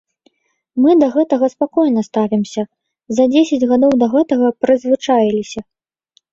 Мы да гэтага спакойна ставімся, за дзесяць гадоў да гэтага прызвычаіліся.